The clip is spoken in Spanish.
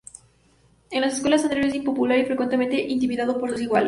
En la escuela, Andrew es impopular y frecuentemente intimidado por sus iguales.